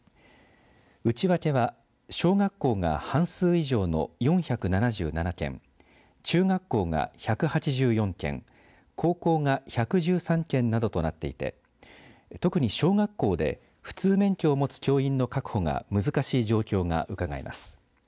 内訳は、小学校が半数以上の４７７件中学校が１８４件高校が１１３件などとなっていて特に小学校で普通免許を持つ教員の確保が難しい状況がうかがえます。